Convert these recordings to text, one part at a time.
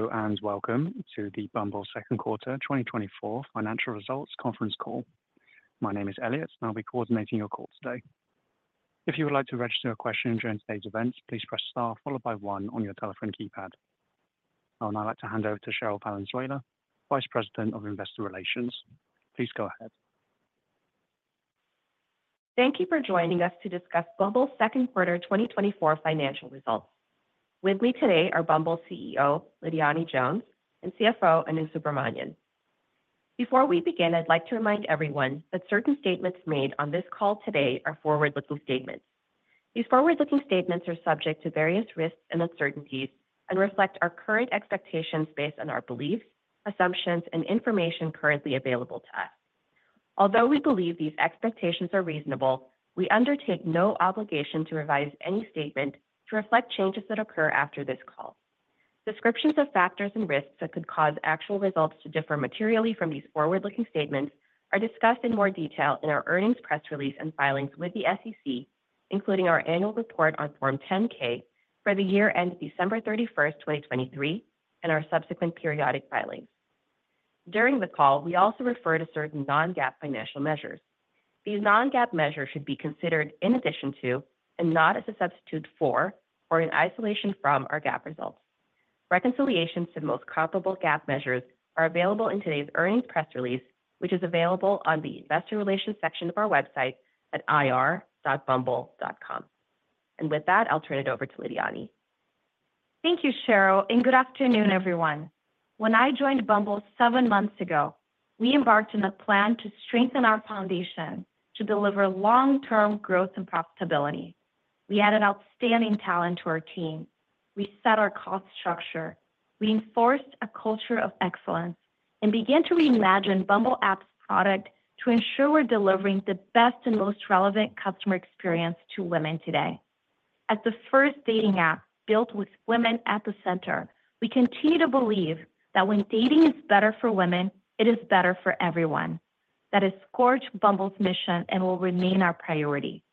Hello, and welcome to the Bumble Second Quarter 2024 financial results conference call. My name is Elliot, and I'll be coordinating your call today. If you would like to register a question during today's event, please press star followed by one on your telephone keypad. I would now like to hand over to Cherryl Valenzuela, Vice President of Investor Relations. Please go ahead. Thank you for joining us to discuss Bumble Second Quarter 2024 financial results. With me today are Bumble CEO Lidiane Jones and CFO Anu Subramanian. Before we begin, I'd like to remind everyone that certain statements made on this call today are forward-looking statements. These forward-looking statements are subject to various risks and uncertainties and reflect our current expectations based on our beliefs, assumptions, and information currently available to us. Although we believe these expectations are reasonable, we undertake no obligation to revise any statement to reflect changes that occur after this call. Descriptions of factors and risks that could cause actual results to differ materially from these forward-looking statements are discussed in more detail in our earnings press release and filings with the SEC, including our annual report on Form 10-K for the year ended December 31st, 2023, and our subsequent periodic filings. During the call, we also refer to certain non-GAAP financial measures. These non-GAAP measures should be considered in addition to, and not as a substitute for, or in isolation from our GAAP results. Reconciliations to the most comparable GAAP measures are available in today's earnings press release, which is available on the Investor Relations section of our website at ir.bumble.com. With that, I'll turn it over to Lidiane. Thank you, Cherryl, and good afternoon, everyone. When I joined Bumble seven months ago, we embarked on a plan to strengthen our foundation to deliver long-term growth and profitability. We added outstanding talent to our team. We set our cost structure. We enforced a culture of excellence and began to reimagine Bumble App's product to ensure we're delivering the best and most relevant customer experience to women today. As the first dating app built with women at the center, we continue to believe that when dating is better for women, it is better for everyone. That is core to Bumble's mission and will remain our priority.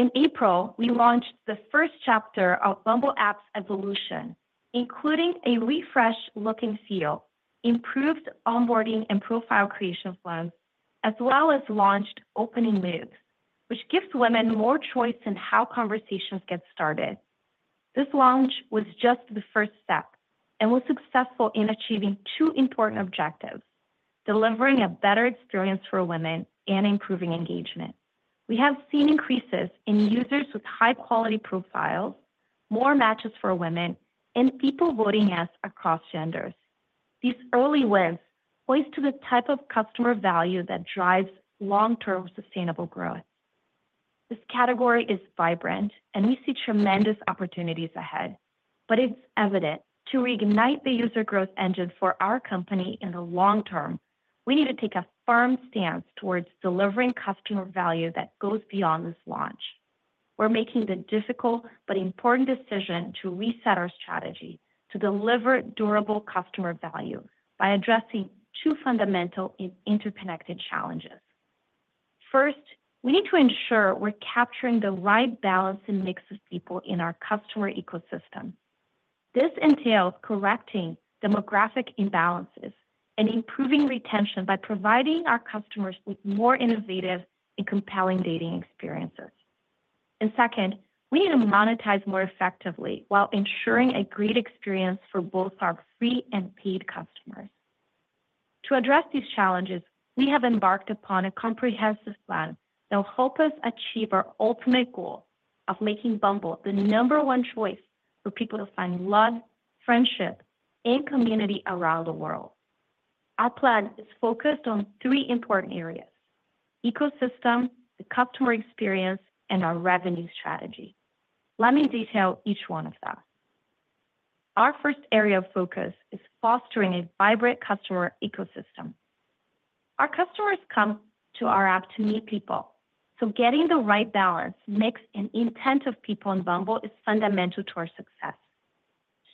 In April, we launched the first chapter of Bumble App's evolution, including a refreshed look and feel, improved onboarding and profile creation plans, as well as launched Opening Moves, which gives women more choice in how conversations get started. This launch was just the first step and was successful in achieving two important objectives: delivering a better experience for women and improving engagement. We have seen increases in users with high-quality profiles, more matches for women, and people voting us across genders. These early wins point to the type of customer value that drives long-term sustainable growth. This category is vibrant, and we see tremendous opportunities ahead. But it's evident, to reignite the user growth engine for our company in the long term, we need to take a firm stance towards delivering customer value that goes beyond this launch. We're making the difficult but important decision to reset our strategy to deliver durable customer value by addressing two fundamental and interconnected challenges. First, we need to ensure we're capturing the right balance and mix of people in our customer ecosystem. This entails correcting demographic imbalances and improving retention by providing our customers with more innovative and compelling dating experiences. And second, we need to monetize more effectively while ensuring a great experience for both our free and paid customers. To address these challenges, we have embarked upon a comprehensive plan that will help us achieve our ultimate goal of making Bumble the number one choice for people to find love, friendship, and community around the world. Our plan is focused on three important areas: ecosystem, the customer experience, and our revenue strategy. Let me detail each one of them. Our first area of focus is fostering a vibrant customer ecosystem. Our customers come to our app to meet people, so getting the right balance, mix, and intent of people on Bumble is fundamental to our success.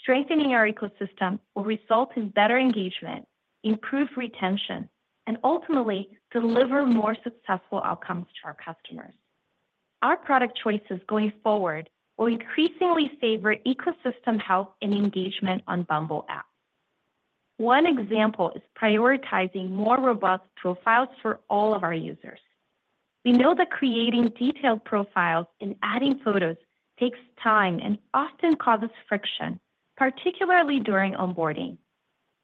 Strengthening our ecosystem will result in better engagement, improved retention, and ultimately deliver more successful outcomes to our customers. Our product choices going forward will increasingly favor ecosystem health and engagement on Bumble App. One example is prioritizing more robust profiles for all of our users. We know that creating detailed profiles and adding photos takes time and often causes friction, particularly during onboarding.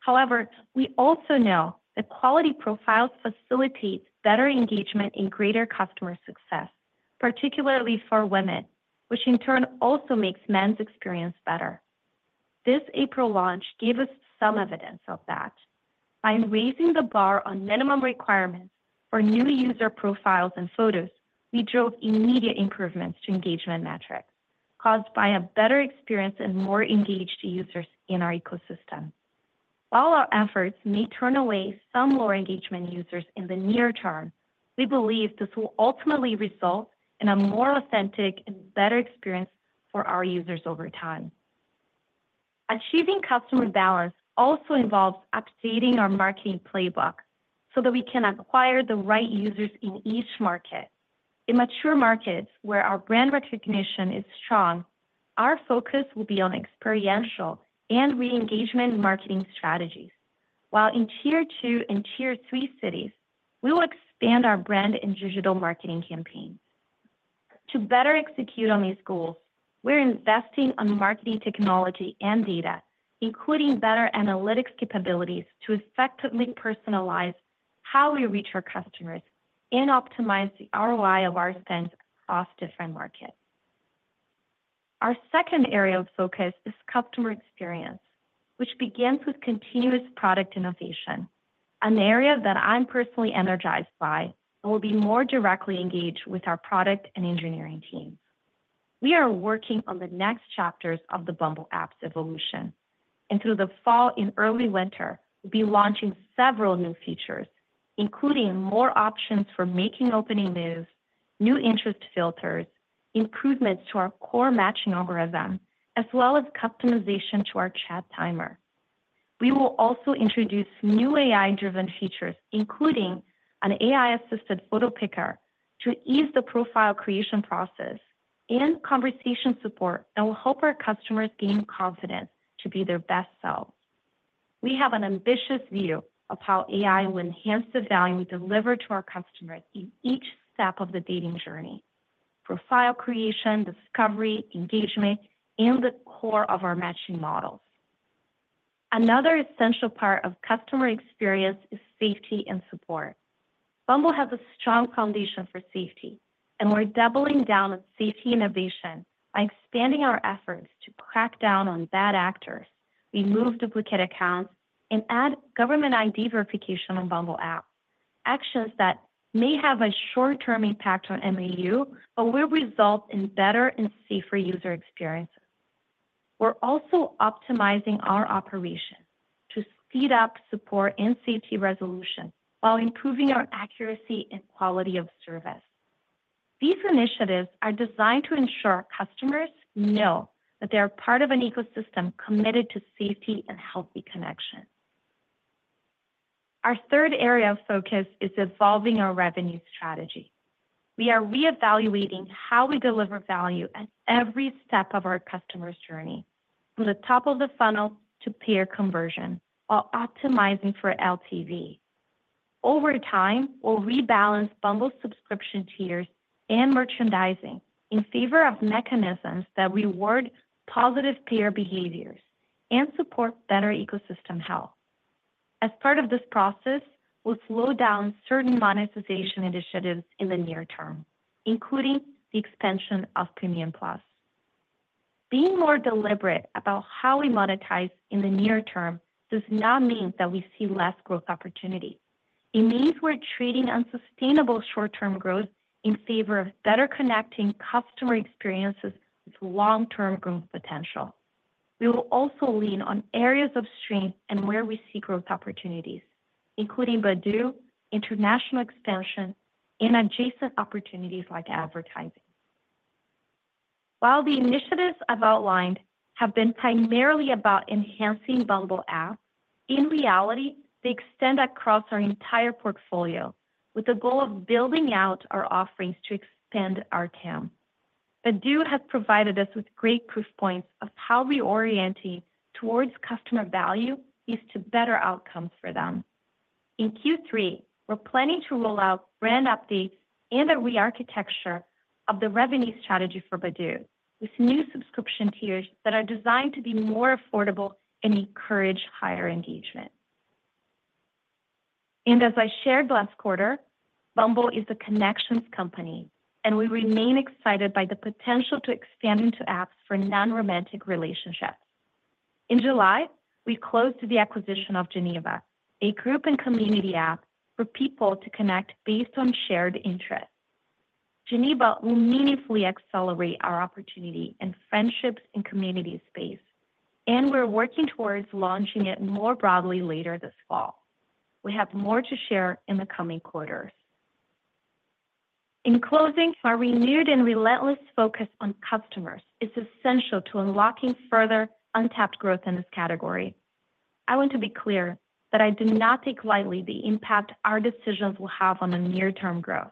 However, we also know that quality profiles facilitate better engagement and greater customer success, particularly for women, which in turn also makes men's experience better. This April launch gave us some evidence of that. By raising the bar on minimum requirements for new user profiles and photos, we drove immediate improvements to engagement metrics caused by a better experience and more engaged users in our ecosystem. While our efforts may turn away some lower engagement users in the near term, we believe this will ultimately result in a more authentic and better experience for our users over time. Achieving customer balance also involves updating our marketing playbook so that we can acquire the right users in each market. In mature markets where our brand recognition is strong, our focus will be on experiential and re-engagement marketing strategies. While in Tier II and Tier III cities, we will expand our brand and digital marketing campaigns. To better execute on these goals, we're investing in marketing technology and data, including better analytics capabilities to effectively personalize how we reach our customers and optimize the ROI of our spend across different markets. Our second area of focus is customer experience, which begins with continuous product innovation, an area that I'm personally energized by and will be more directly engaged with our product and engineering teams. We are working on the next chapters of the Bumble App's evolution. Through the fall and early winter, we'll be launching several new features, including more options for making Opening Moves, new interest filters, improvements to our core matching algorithm, as well as customization to our chat timer. We will also introduce new AI-driven features, including an AI-assisted photo picker to ease the profile creation process and conversation support that will help our customers gain confidence to be their best selves. We have an ambitious view of how AI will enhance the value we deliver to our customers in each step of the dating journey: profile creation, discovery, engagement, and the core of our matching models. Another essential part of customer experience is safety and support. Bumble has a strong foundation for safety, and we're doubling down on safety innovation by expanding our efforts to crack down on bad actors, remove duplicate accounts, and add government ID verification on Bumble App, actions that may have a short-term impact on MAU, but will result in better and safer user experiences. We're also optimizing our operation to speed up support and safety resolution while improving our accuracy and quality of service. These initiatives are designed to ensure customers know that they are part of an ecosystem committed to safety and healthy connection. Our third area of focus is evolving our revenue strategy. We are reevaluating how we deliver value at every step of our customer's journey, from the top of the funnel to payer conversion, while optimizing for LTV. Over time, we'll rebalance Bumble subscription tiers and merchandising in favor of mechanisms that reward positive payer behaviors and support better ecosystem health. As part of this process, we'll slow down certain monetization initiatives in the near term, including the expansion of Premium+. Being more deliberate about how we monetize in the near term does not mean that we see less growth opportunity. It means we're treating unsustainable short-term growth in favor of better connecting customer experiences with long-term growth potential. We will also lean on areas of strength and where we see growth opportunities, including Badoo, international expansion, and adjacent opportunities like advertising. While the initiatives I've outlined have been primarily about enhancing Bumble App, in reality, they extend across our entire portfolio with the goal of building out our offerings to expand our TAM. Badoo has provided us with great proof points of how reorienting towards customer value leads to better outcomes for them. In Q3, we're planning to roll out brand updates and a re-architecture of the revenue strategy for Badoo with new subscription tiers that are designed to be more affordable and encourage higher engagement. And as I shared last quarter, Bumble is a connections company, and we remain excited by the potential to expand into apps for non-romantic relationships. In July, we closed the acquisition of Geneva, a group and community app for people to connect based on shared interests. Geneva will meaningfully accelerate our opportunity and friendships in community space, and we're working towards launching it more broadly later this fall. We have more to share in the coming quarters. In closing, our renewed and relentless focus on customers is essential to unlocking further untapped growth in this category. I want to be clear that I do not take lightly the impact our decisions will have on the near-term growth,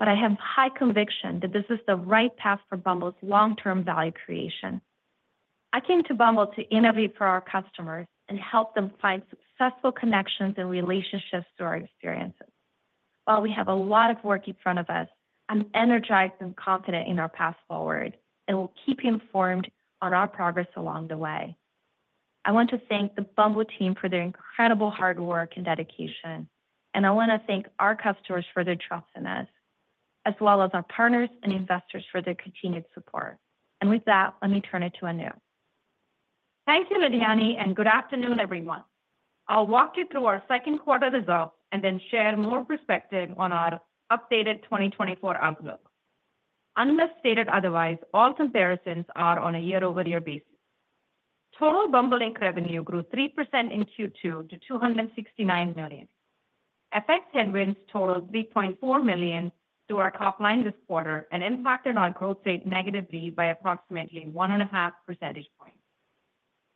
but I have high conviction that this is the right path for Bumble's long-term value creation. I came to Bumble to innovate for our customers and help them find successful connections and relationships through our experiences. While we have a lot of work in front of us, I'm energized and confident in our path forward and will keep you informed on our progress along the way. I want to thank the Bumble team for their incredible hard work and dedication, and I want to thank our customers for their trust in us, as well as our partners and investors for their continued support. With that, let me turn it to Anu. Thank you, Lidiane, and good afternoon, everyone. I'll walk you through our second quarter results and then share more perspective on our updated 2024 outlook. Unless stated otherwise, all comparisons are on a year-over-year basis. Total Bumble Inc. revenue grew 3% in Q2 to $269 million. FX headwinds totaled $3.4 million to our top line this quarter and impacted our growth rate negatively by approximately 1.5 percentage points.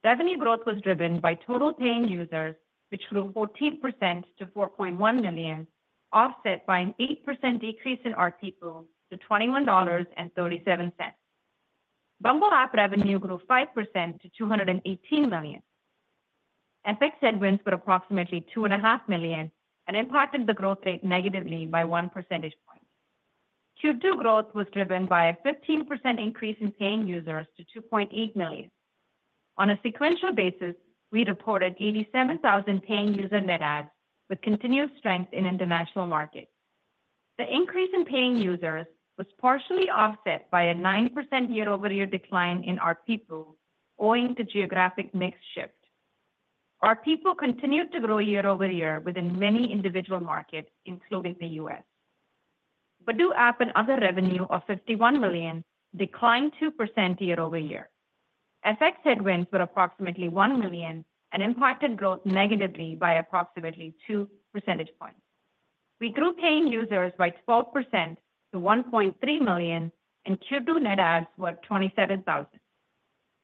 Revenue growth was driven by total paying users, which grew 14% to 4.1 million, offset by an 8% decrease in our ARPPU to $21.37. Bumble App revenue grew 5% to $218 million. FX headwinds were approximately $2.5 million and impacted the growth rate negatively by 1 percentage point. Q2 growth was driven by a 15% increase in paying users to 2.8 million. On a sequential basis, we reported 87,000 paying user net adds with continued strength in international markets. The increase in paying users was partially offset by a 9% year-over-year decline in ARPPU owing to geographic mix shift. ARPPU continued to grow year-over-year within many individual markets, including the U.S. Badoo App and other revenue of $51 million declined 2% year-over-year. FX headwinds were approximately $1 million and impacted growth negatively by approximately 2 percentage points. We grew paying users by 12% to 1.3 million, and Q2 net adds were 27,000.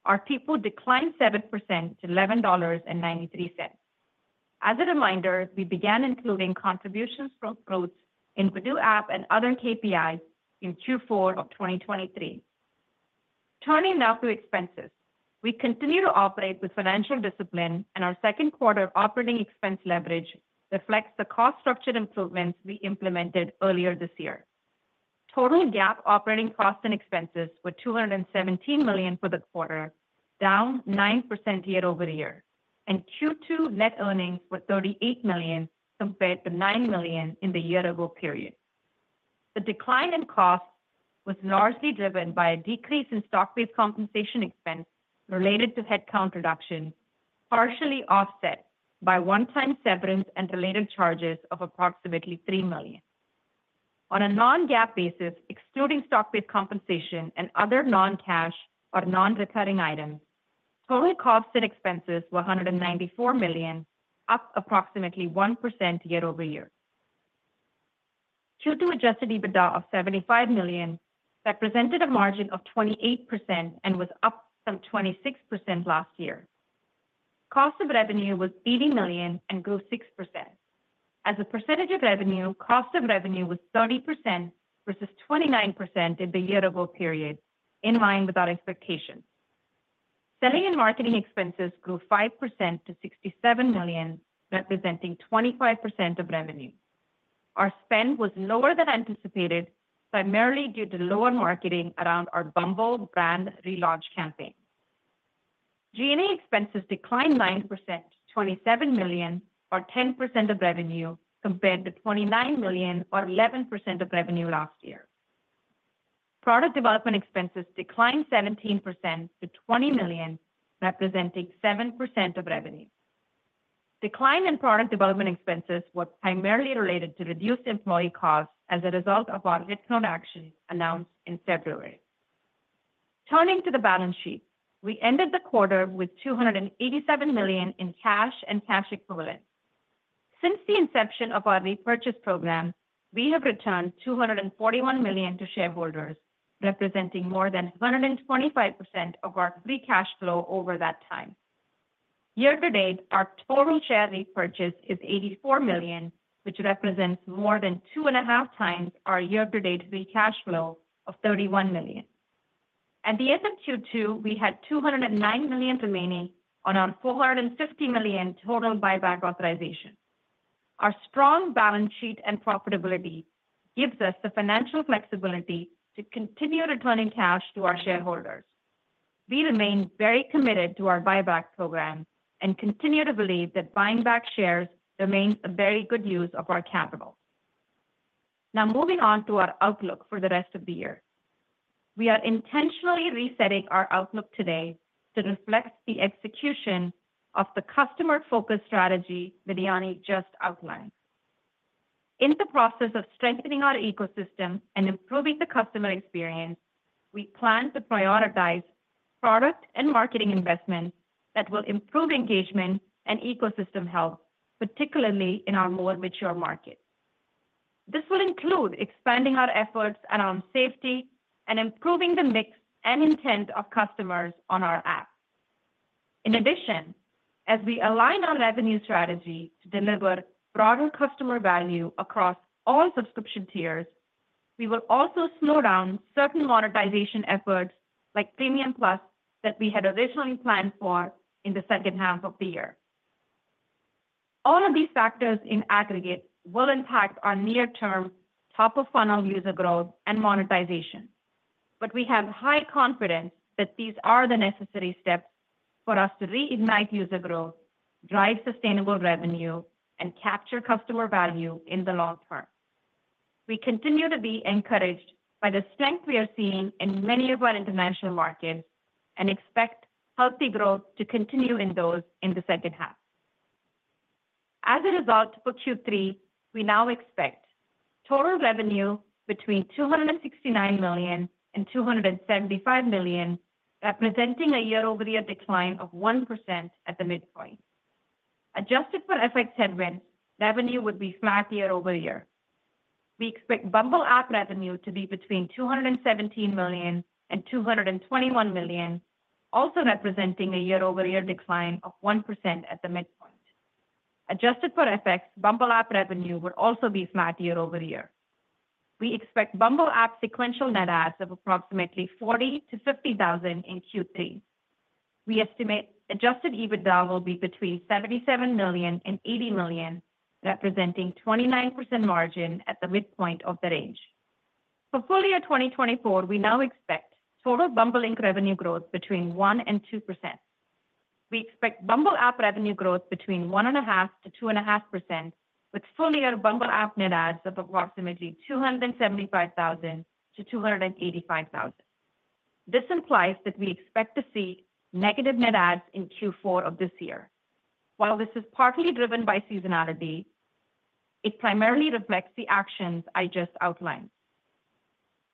ARPPU declined 7% to $11.93. As a reminder, we began including contributions from growth in Badoo App and other KPIs in Q4 of 2023. Turning now to expenses, we continue to operate with financial discipline, and our second quarter operating expense leverage reflects the cost structure improvements we implemented earlier this year. Total GAAP operating costs and expenses were $217 million for the quarter, down 9% year-over-year, and Q2 net earnings were $38 million compared to $9 million in the year-ago period. The decline in costs was largely driven by a decrease in stock-based compensation expense related to headcount reduction, partially offset by one-time severance and related charges of approximately $3 million. On a non-GAAP basis, excluding stock-based compensation and other non-cash or non-recurring items, total costs and expenses were $194 million, up approximately 1% year-over-year. Q2 Adjusted EBITDA of $75 million represented a margin of 28% and was up from 26% last year. Cost of revenue was $80 million and grew 6%. As a percentage of revenue, cost of revenue was 30% versus 29% in the year-ago period, in line with our expectations. Selling and marketing expenses grew 5% to $67 million, representing 25% of revenue. Our spend was lower than anticipated, primarily due to lower marketing around our Bumble brand relaunch campaign. G&A expenses declined 9% to $27 million, or 10% of revenue, compared to $29 million, or 11% of revenue last year. Product development expenses declined 17% to $20 million, representing 7% of revenue. Decline in product development expenses was primarily related to reduced employee costs as a result of our headcount action announced in February. Turning to the balance sheet, we ended the quarter with $287 million in cash and cash equivalents. Since the inception of our repurchase program, we have returned $241 million to shareholders, representing more than 125% of our free cash flow over that time. Year-to-date, our total share repurchase is $84 million, which represents more than two and a half times our year-to-date free cash flow of $31 million. At the end of Q2, we had $209 million remaining on our $450 million total buyback authorization. Our strong balance sheet and profitability gives us the financial flexibility to continue returning cash to our shareholders. We remain very committed to our buyback program and continue to believe that buying back shares remains a very good use of our capital. Now, moving on to our outlook for the rest of the year. We are intentionally resetting our outlook today to reflect the execution of the customer-focused strategy Lidiane just outlined. In the process of strengthening our ecosystem and improving the customer experience, we plan to prioritize product and marketing investments that will improve engagement and ecosystem health, particularly in our more mature markets. This will include expanding our efforts around safety and improving the mix and intent of customers on our app. In addition, as we align our revenue strategy to deliver broader customer value across all subscription tiers, we will also slow down certain monetization efforts like Premium+ that we had originally planned for in the second half of the year. All of these factors in aggregate will impact our near-term top-of-funnel user growth and monetization. But we have high confidence that these are the necessary steps for us to reignite user growth, drive sustainable revenue, and capture customer value in the long term. We continue to be encouraged by the strength we are seeing in many of our international markets and expect healthy growth to continue in those in the second half. As a result, for Q3, we now expect total revenue between $269 million and $275 million, representing a year-over-year decline of 1% at the midpoint. Adjusted for FX headwinds, revenue would be flat year-over-year. We expect Bumble App revenue to be between $217 million and $221 million, also representing a year-over-year decline of 1% at the midpoint. Adjusted for FX, Bumble App revenue would also be flat year-over-year. We expect Bumble App sequential net adds of approximately 40,000-50,000 in Q3. We estimate Adjusted EBITDA will be between $77 million and $80 million, representing a 29% margin at the midpoint of the range. For full year 2024, we now expect total Bumble Inc. revenue growth between 1% and 2%. We expect Bumble App revenue growth between 1.5% and 2.5%, with full year Bumble App net adds of approximately 275,000-285,000. This implies that we expect to see negative net adds in Q4 of this year. While this is partly driven by seasonality, it primarily reflects the actions I just outlined.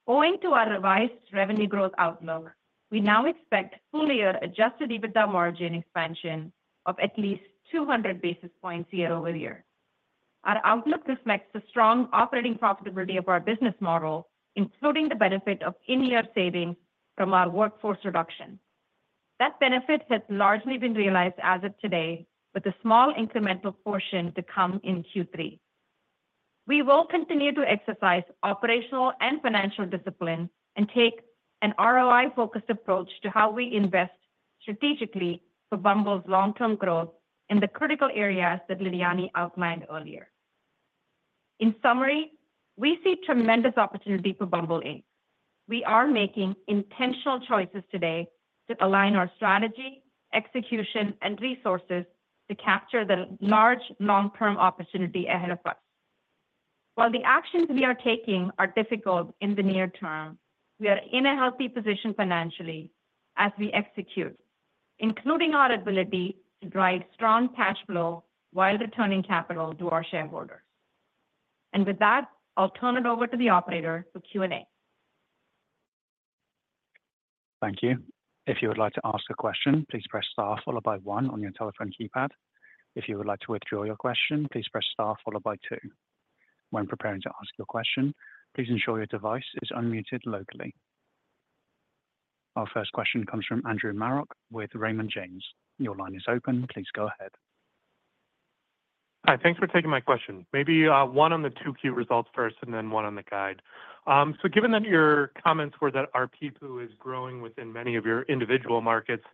Owing to our revised revenue growth outlook, we now expect full year Adjusted EBITDA margin expansion of at least 200 basis points year-over-year. Our outlook reflects the strong operating profitability of our business model, including the benefit of in-year savings from our workforce reduction. That benefit has largely been realized as of today, with a small incremental portion to come in Q3. We will continue to exercise operational and financial discipline and take an ROI-focused approach to how we invest strategically for Bumble's long-term growth in the critical areas that Lidiane outlined earlier. In summary, we see tremendous opportunity for Bumble Inc. We are making intentional choices today to align our strategy, execution, and resources to capture the large long-term opportunity ahead of us. While the actions we are taking are difficult in the near term, we are in a healthy position financially as we execute, including our ability to drive strong cash flow while returning capital to our shareholders. And with that, I'll turn it over to the operator for Q&A. Thank you. If you would like to ask a question, please press Star followed by 1 on your telephone keypad. If you would like to withdraw your question, please press Star followed by 2. When preparing to ask your question, please ensure your device is unmuted locally. Our first question comes from Andrew Marok with Raymond James. Your line is open. Please go ahead. Hi, thanks for taking my question. Maybe one on the Q2 results first and then one on the guide. So given that your comments were that ARPPU is growing within many of your individual markets,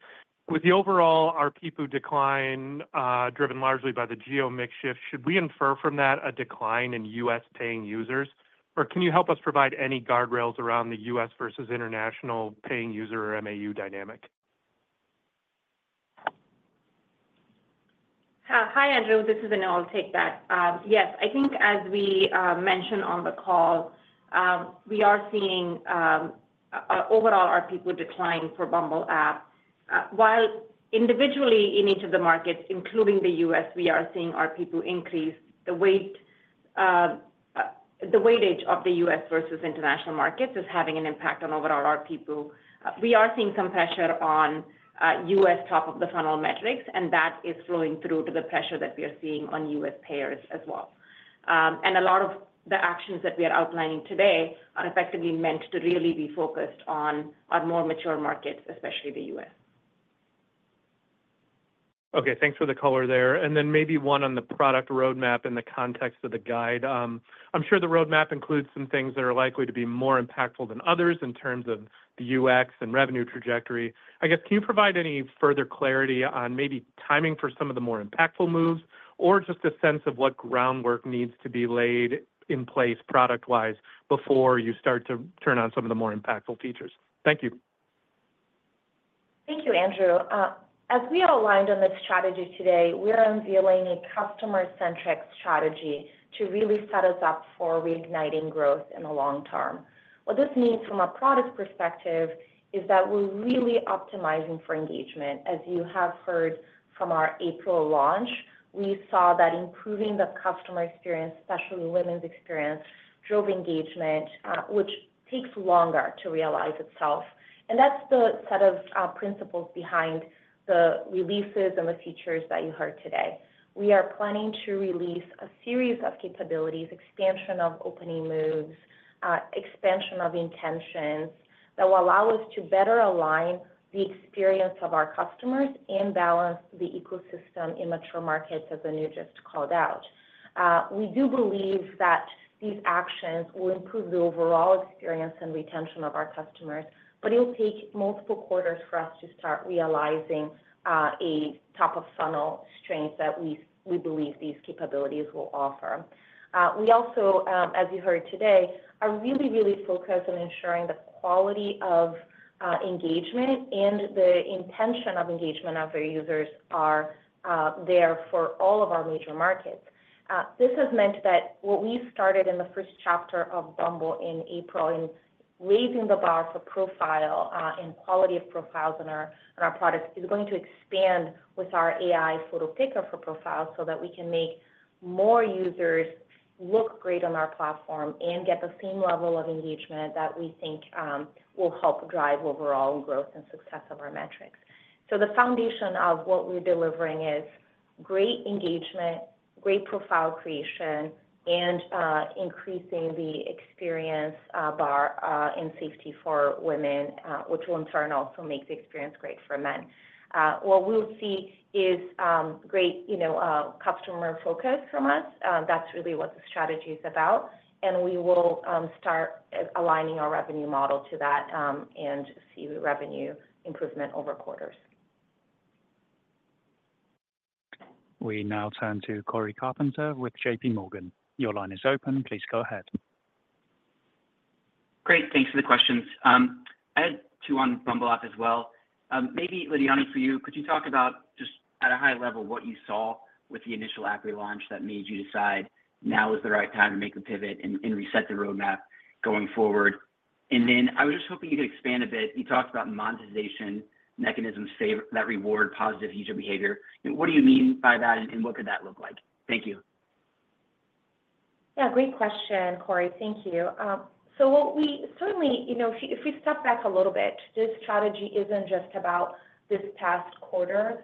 with the overall ARPPU decline driven largely by the geo mix shift, should we infer from that a decline in U.S. paying users? Or can you help us provide any guardrails around the U.S. versus international paying user or MAU dynamic? Hi, Andrew. This is Anu. I'll take that. Yes, I think as we mentioned on the call, we are seeing overall ARPPU decline for Bumble App. While individually in each of the markets, including the U.S., we are seeing ARPPU increase, the weight of the U.S. versus international markets is having an impact on overall ARPPU. We are seeing some pressure on U.S. top-of-the-funnel metrics, and that is flowing through to the pressure that we are seeing on U.S. payers as well. A lot of the actions that we are outlining today are effectively meant to really be focused on our more mature markets, especially the U.S. Okay, thanks for the color there. Then maybe one on the product roadmap in the context of the guide. I'm sure the roadmap includes some things that are likely to be more impactful than others in terms of the UX and revenue trajectory. I guess, can you provide any further clarity on maybe timing for some of the more impactful moves or just a sense of what groundwork needs to be laid in place product-wise before you start to turn on some of the more impactful features? Thank you. Thank you, Andrew. As we outlined on this strategy today, we are unveiling a customer-centric strategy to really set us up for reigniting growth in the long term. What this means from a product perspective is that we're really optimizing for engagement. As you have heard from our April launch, we saw that improving the customer experience, especially women's experience, drove engagement, which takes longer to realize itself. And that's the set of principles behind the releases and the features that you heard today. We are planning to release a series of capabilities, expansion of Opening Moves, expansion of intentions that will allow us to better align the experience of our customers and balance the ecosystem in mature markets, as Anu just called out. We do believe that these actions will improve the overall experience and retention of our customers, but it'll take multiple quarters for us to start realizing a top-of-funnel strength that we believe these capabilities will offer. We also, as you heard today, are really, really focused on ensuring the quality of engagement and the intention of engagement of our users are there for all of our major markets. This has meant that what we started in the first chapter of Bumble in April in raising the bar for profile and quality of profiles on our products is going to expand with our AI photo picker for profiles so that we can make more users look great on our platform and get the same level of engagement that we think will help drive overall growth and success of our metrics. So the foundation of what we're delivering is great engagement, great profile creation, and increasing the experience bar in safety for women, which will in turn also make the experience great for men. What we'll see is great customer focus from us. That's really what the strategy is about. And we will start aligning our revenue model to that and see revenue improvement over quarters. We now turn to Cory Carpenter with JPMorgan. Your line is open. Please go ahead. Great. Thanks for the questions. I had two on Bumble App as well. Maybe, Lidiane, for you, could you talk about just at a high level what you saw with the initial app relaunch that made you decide now is the right time to make the pivot and reset the roadmap going forward? And then I was just hoping you could expand a bit. You talked about monetization mechanisms that reward positive user behavior. What do you mean by that, and what could that look like? Thank you. Yeah, great question, Cory. Thank you. So certainly, if we step back a little bit, this strategy isn't just about this past quarter.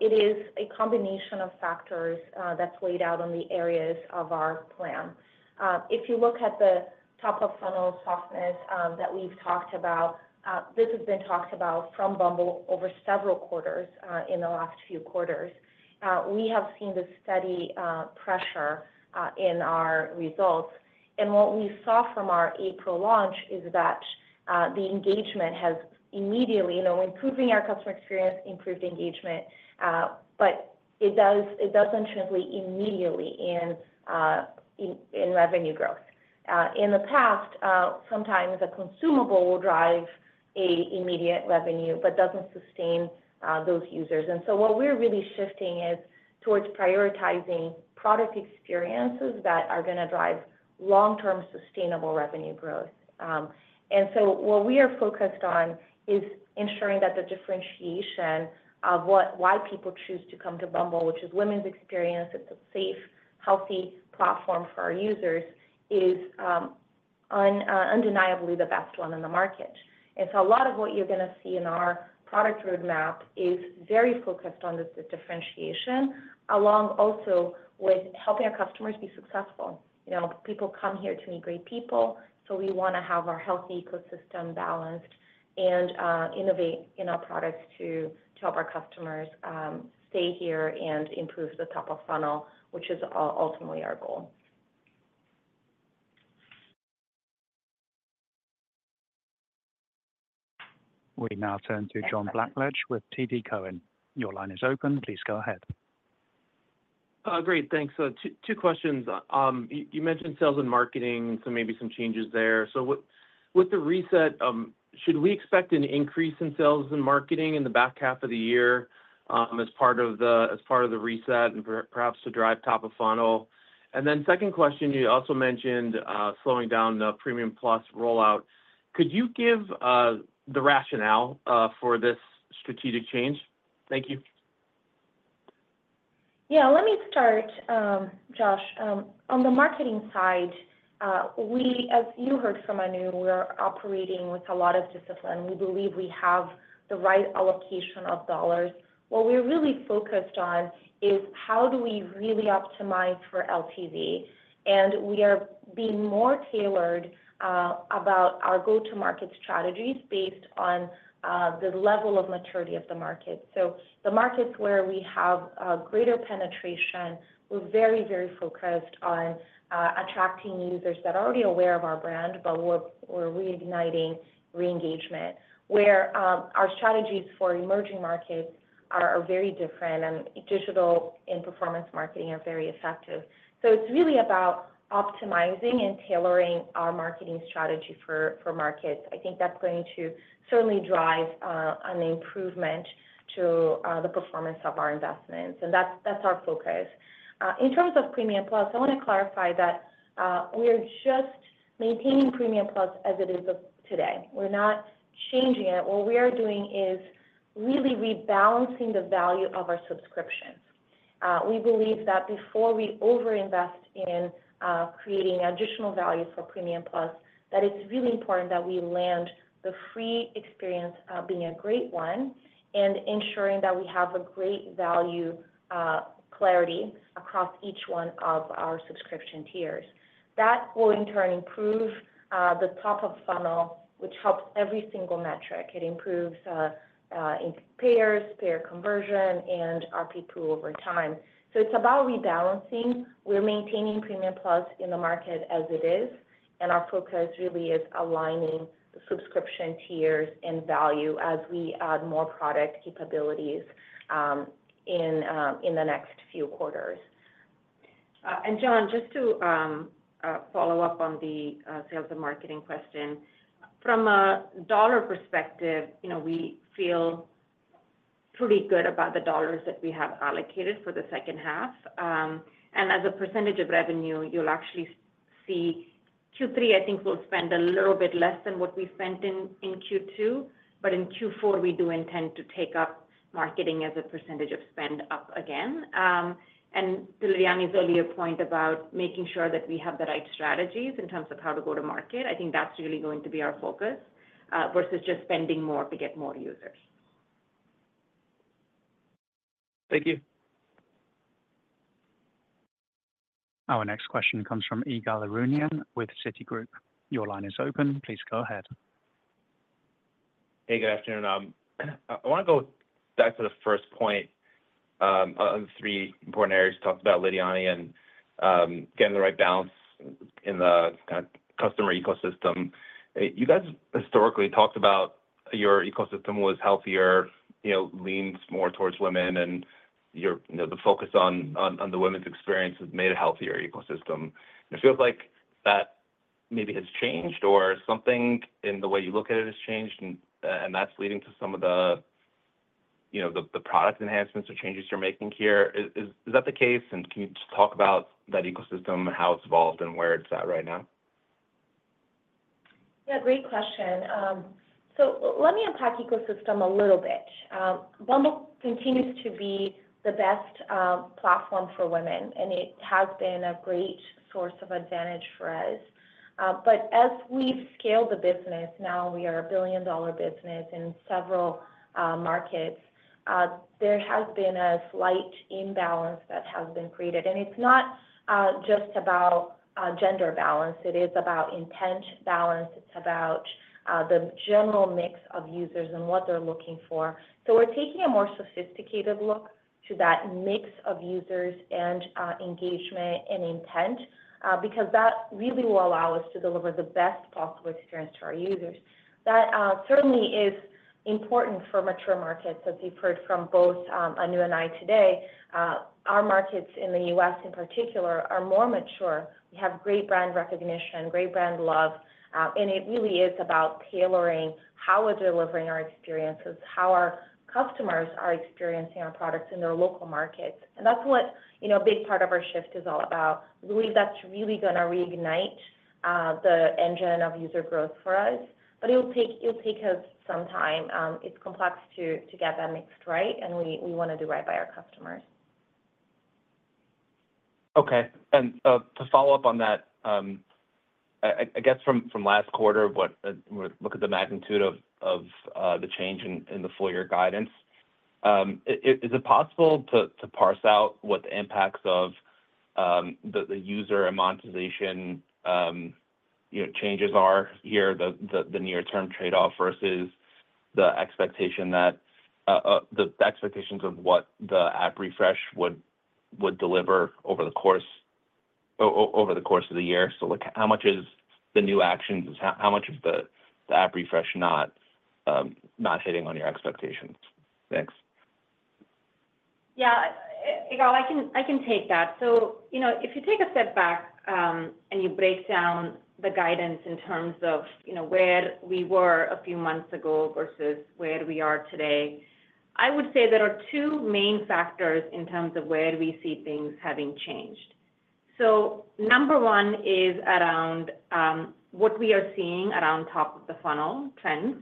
It is a combination of factors that's laid out in the areas of our plan. If you look at the top-of-funnel softness that we've talked about, this has been talked about from Bumble over several quarters in the last few quarters. We have seen the steady pressure in our results. And what we saw from our April launch is that the engagement has immediately improved our customer experience, improved engagement, but it doesn't translate immediately in revenue growth. In the past, sometimes a consumable will drive immediate revenue but doesn't sustain those users. And so what we're really shifting is towards prioritizing product experiences that are going to drive long-term sustainable revenue growth. And so what we are focused on is ensuring that the differentiation of why people choose to come to Bumble, which is women's experience, it's a safe, healthy platform for our users, is undeniably the best one in the market. And so a lot of what you're going to see in our product roadmap is very focused on the differentiation along also with helping our customers be successful. People come here to meet great people, so we want to have our healthy ecosystem balanced and innovate in our products to help our customers stay here and improve the top-of-funnel, which is ultimately our goal. We now turn to John Blackledge with TD Cowen. Your line is open. Please go ahead. Great. Thanks. Two questions. You mentioned sales and marketing, so maybe some changes there. So with the reset, should we expect an increase in sales and marketing in the back half of the year as part of the reset and perhaps to drive top-of-funnel? And then second question, you also mentioned slowing down the Premium+ rollout. Could you give the rationale for this strategic change? Thank you. Yeah, let me start, John. On the marketing side, as you heard from Anu, we are operating with a lot of discipline. We believe we have the right allocation of dollars. What we're really focused on is how do we really optimize for LTV? And we are being more tailored about our go-to-market strategies based on the level of maturity of the market. So the markets where we have greater penetration, we're very, very focused on attracting users that are already aware of our brand, but we're reigniting re-engagement, where our strategies for emerging markets are very different and digital and performance marketing are very effective. So it's really about optimizing and tailoring our marketing strategy for markets. I think that's going to certainly drive an improvement to the performance of our investments. And that's our focus. In terms of Premium+, I want to clarify that we are just maintaining Premium+ as it is today. We're not changing it. What we are doing is really rebalancing the value of our subscriptions. We believe that before we overinvest in creating additional value for Premium+, that it's really important that we land the free experience being a great one and ensuring that we have a great value clarity across each one of our subscription tiers. That will in turn improve the top-of-funnel, which helps every single metric. It improves payers, payer conversion, and ARPPU over time. So it's about rebalancing. We're maintaining Premium+ in the market as it is. And our focus really is aligning the subscription tiers and value as we add more product capabilities in the next few quarters. John, just to follow up on the sales and marketing question, from a dollar perspective, we feel pretty good about the dollars that we have allocated for the second half. As a percentage of revenue, you'll actually see Q3, I think we'll spend a little bit less than what we spent in Q2, but in Q4, we do intend to take up marketing as a percentage of spend up again. To Lidiane earlier point about making sure that we have the right strategies in terms of how to go to market, I think that's really going to be our focus versus just spending more to get more users. Thank you. Our next question comes from Ygal Arounian with Citigroup. Your line is open. Please go ahead. Hey, good afternoon. I want to go back to the first point on the three important areas you talked about, Lidiane, and getting the right balance in the customer ecosystem. You guys historically talked about your ecosystem was healthier, leans more towards women, and the focus on the women's experience has made a healthier ecosystem. It feels like that maybe has changed or something in the way you look at it has changed, and that's leading to some of the product enhancements or changes you're making here. Is that the case? And can you just talk about that ecosystem and how it's evolved and where it's at right now? Yeah, great question. So let me unpack ecosystem a little bit. Bumble continues to be the best platform for women, and it has been a great source of advantage for us. But as we've scaled the business, now we are a billion-dollar business in several markets, there has been a slight imbalance that has been created. And it's not just about gender balance. It is about intent balance. It's about the general mix of users and what they're looking for. So we're taking a more sophisticated look to that mix of users and engagement and intent because that really will allow us to deliver the best possible experience to our users. That certainly is important for mature markets, as you've heard from both Anu and I today. Our markets in the U.S., in particular, are more mature. We have great brand recognition, great brand love. It really is about tailoring how we're delivering our experiences, how our customers are experiencing our products in their local markets. That's what a big part of our shift is all about. We believe that's really going to reignite the engine of user growth for us, but it'll take us some time. It's complex to get that mixed right, and we want to do right by our customers. Okay. To follow up on that, I guess from last quarter, look at the magnitude of the change in the four-year guidance. Is it possible to parse out what the impacts of the user and monetization changes are here, the near-term trade-off versus the expectation that the expectations of what the app refresh would deliver over the course of the year? How much is the new actions? How much is the app refresh not hitting on your expectations? Thanks. Yeah. Ygal I can take that. So if you take a step back and you break down the guidance in terms of where we were a few months ago versus where we are today, I would say there are two main factors in terms of where we see things having changed. So number one is around what we are seeing around top-of-the-funnel trends.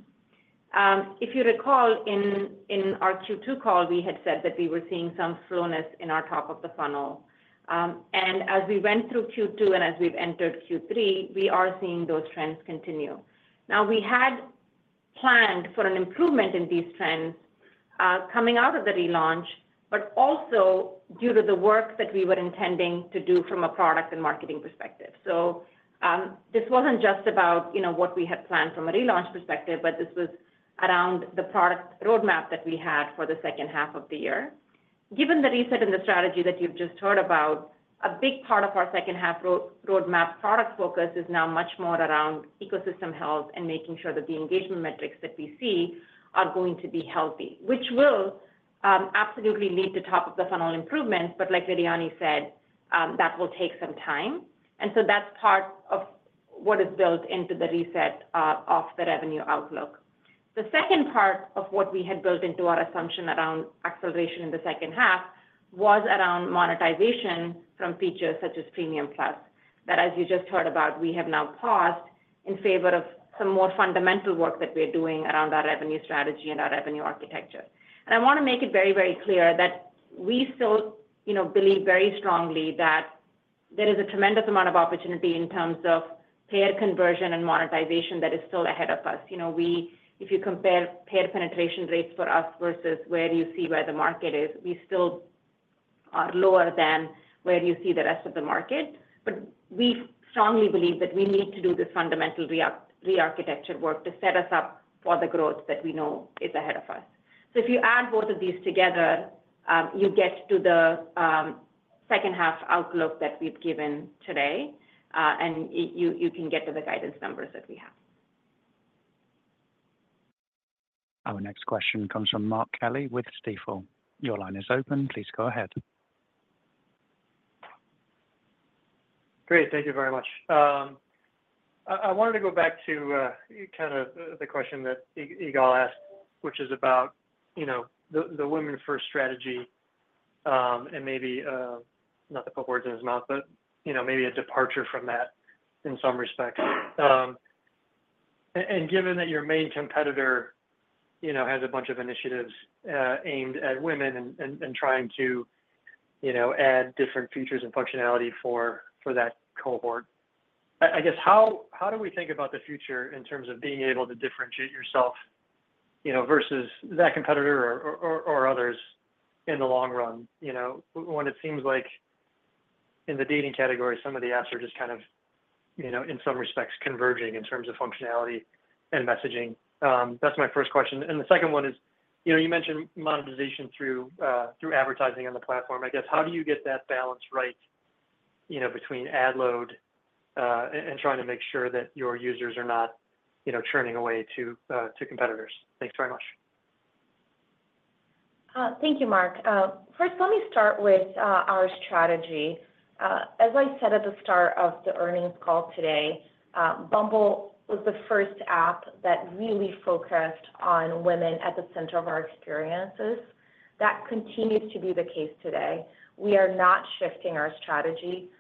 If you recall, in our Q2 call, we had said that we were seeing some slowness in our top-of-the-funnel. And as we went through Q2 and as we've entered Q3, we are seeing those trends continue. Now, we had planned for an improvement in these trends coming out of the relaunch, but also due to the work that we were intending to do from a product and marketing perspective. So this wasn't just about what we had planned from a relaunch perspective, but this was around the product roadmap that we had for the second half of the year. Given the reset and the strategy that you've just heard about, a big part of our second-half roadmap product focus is now much more around ecosystem health and making sure that the engagement metrics that we see are going to be healthy, which will absolutely lead to top-of-the-funnel improvements. But like Lidiane said, that will take some time. And so that's part of what is built into the reset of the revenue outlook. The second part of what we had built into our assumption around acceleration in the second half was around monetization from features such as Premium+ that, as you just heard about, we have now paused in favor of some more fundamental work that we're doing around our revenue strategy and our revenue architecture. I want to make it very, very clear that we still believe very strongly that there is a tremendous amount of opportunity in terms of payer conversion and monetization that is still ahead of us. If you compare payer penetration rates for us versus where you see the market is, we still are lower than where you see the rest of the market. We strongly believe that we need to do this fundamental rearchitecture work to set us up for the growth that we know is ahead of us. If you add both of these together, you get to the second-half outlook that we've given today, and you can get to the guidance numbers that we have. Our next question comes from Mark Kelley with Stifel. Your line is open. Please go ahead. Great. Thank you very much. I wanted to go back to kind of the question that Ygal asked, which is about the women-first strategy and maybe not to put words in his mouth, but maybe a departure from that in some respects. And given that your main competitor has a bunch of initiatives aimed at women and trying to add different features and functionality for that cohort, I guess, how do we think about the future in terms of being able to differentiate yourself versus that competitor or others in the long run when it seems like in the dating category, some of the apps are just kind of, in some respects, converging in terms of functionality and messaging? That's my first question. And the second one is you mentioned monetization through advertising on the platform. I guess, how do you get that balance right between ad load and trying to make sure that your users are not churning away to competitors? Thanks very much. Thank you, Mark. First, let me start with our strategy. As I said at the start of the earnings call today, Bumble was the first app that really focused on women at the center of our experiences. That continues to be the case today. We are not shifting our strategy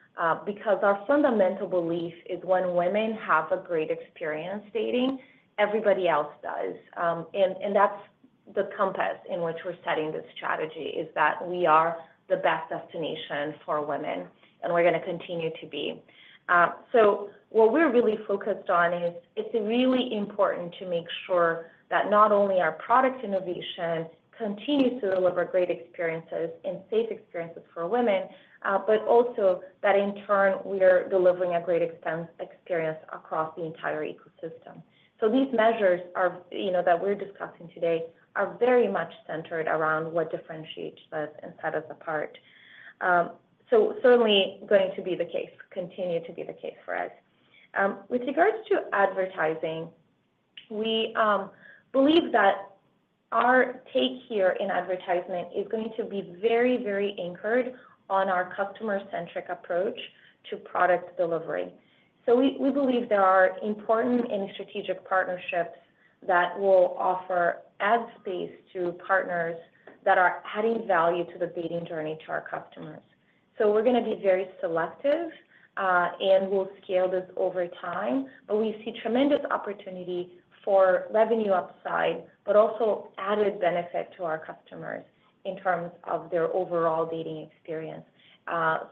because our fundamental belief is when women have a great experience dating, everybody else does. And that's the compass in which we're setting this strategy is that we are the best destination for women, and we're going to continue to be. So what we're really focused on is it's really important to make sure that not only our product innovation continues to deliver great experiences and safe experiences for women, but also that in turn, we are delivering a great experience across the entire ecosystem. So these measures that we're discussing today are very much centered around what differentiates us and set us apart. So certainly going to be the case, continue to be the case for us. With regards to advertising, we believe that our take here in advertisement is going to be very, very anchored on our customer-centric approach to product delivery. So we believe there are important and strategic partnerships that will offer ad space to partners that are adding value to the dating journey to our customers. So we're going to be very selective, and we'll scale this over time. But we see tremendous opportunity for revenue upside, but also added benefit to our customers in terms of their overall dating experience.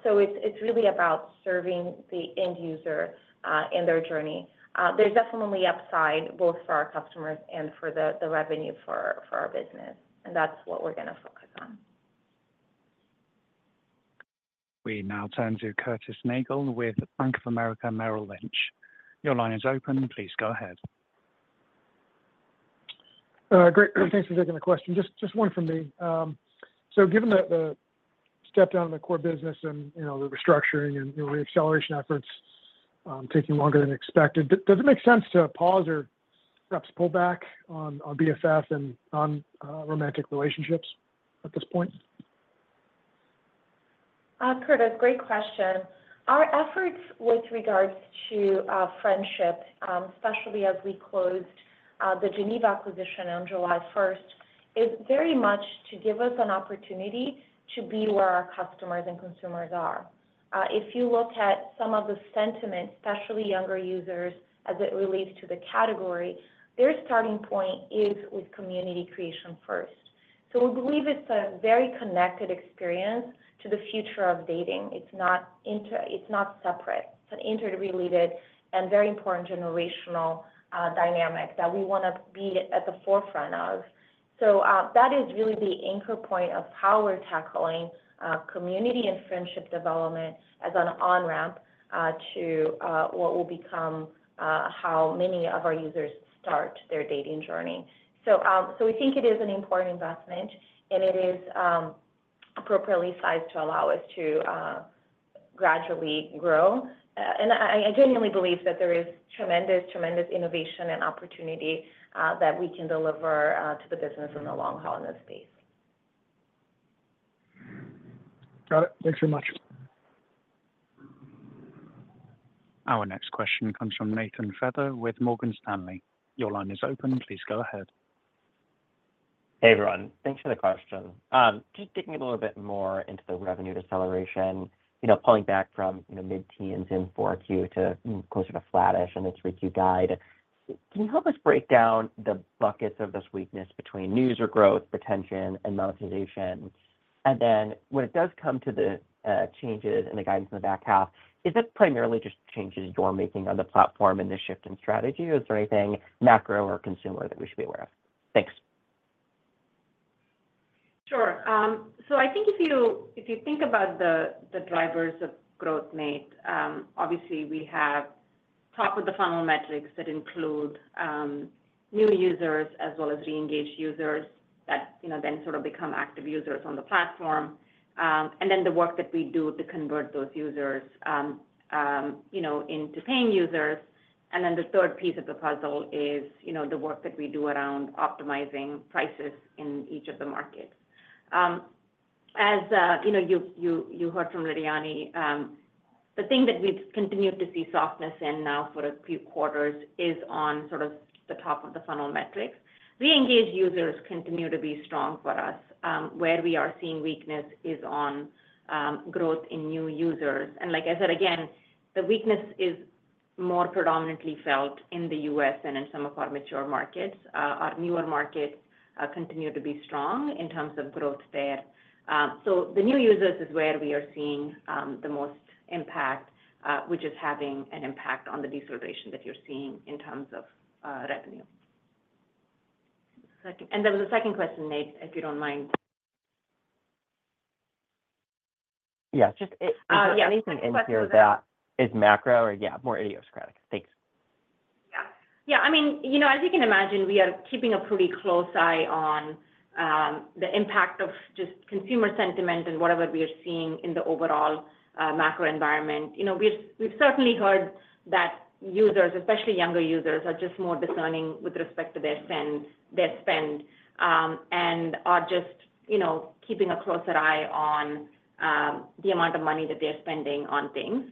So it's really about serving the end user and their journey. There's definitely upside both for our customers and for the revenue for our business. That's what we're going to focus on. We now turn to Curtis Nagle with Bank of America Merrill Lynch. Your line is open. Please go ahead. Great. Thanks for taking the question. Just one from me. Given the step down in the core business and the restructuring and reacceleration efforts taking longer than expected, does it make sense to pause or perhaps pull back on BFF and non-romantic relationships at this point? Curtis, great question. Our efforts with regards to friendship, especially as we closed the Geneva acquisition on July 1st, is very much to give us an opportunity to be where our customers and consumers are. If you look at some of the sentiment, especially younger users as it relates to the category, their starting point is with community creation first. We believe it's a very connected experience to the future of dating. It's not separate. It's an interrelated and very important generational dynamic that we want to be at the forefront of. That is really the anchor point of how we're tackling community and friendship development as an on-ramp to what will become how many of our users start their dating journey. We think it is an important investment, and it is appropriately sized to allow us to gradually grow. I genuinely believe that there is tremendous, tremendous innovation and opportunity that we can deliver to the business in the long haul in this space. Got it. Thanks very much. Our next question comes from Nathan Feather with Morgan Stanley. Your line is open. Please go ahead. Hey, everyone. Thanks for the question. Just digging a little bit more into the revenue deceleration, pulling back from mid-teens in 4Q to closer to flattish in the 3Q guide. Can you help us break down the buckets of this weakness between new user growth, retention, and monetization? And then when it does come to the changes and the guidance in the back half, is it primarily just changes you're making on the platform and the shift in strategy, or is there anything macro or consumer that we should be aware of? Thanks. Sure. So I think if you think about the drivers of growth, Nate, obviously we have top-of-the-funnel metrics that include new users as well as re-engaged users that then sort of become active users on the platform, and then the work that we do to convert those users into paying users. And then the third piece of the puzzle is the work that we do around optimizing prices in each of the markets. As you heard from Lidiane, the thing that we've continued to see softness in now for a few quarters is on sort of the top-of-the-funnel metrics. Re-engaged users continue to be strong for us. Where we are seeing weakness is on growth in new users. And like I said, again, the weakness is more predominantly felt in the U.S. and in some of our mature markets. Our newer markets continue to be strong in terms of growth there. So the new users is where we are seeing the most impact, which is having an impact on the deceleration that you're seeing in terms of revenue. And there was a second question, Nate, if you don't mind. Yeah. Just, is there anything in here that is macro or, yeah, more idiosyncratic? Thanks. Yeah. Yeah. I mean, as you can imagine, we are keeping a pretty close eye on the impact of just consumer sentiment and whatever we are seeing in the overall macro environment. We've certainly heard that users, especially younger users, are just more discerning with respect to their spend and are just keeping a closer eye on the amount of money that they're spending on things.